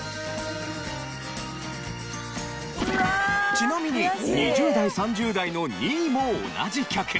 ちなみに２０代３０代の２位も同じ曲。